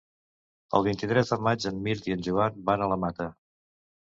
El vint-i-tres de maig en Mirt i en Joan van a la Mata.